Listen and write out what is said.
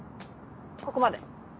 ここまで。